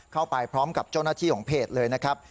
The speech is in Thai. เข้าไปพร้อมกับเจ้าหน้าที่ของเพจเลยนะครับ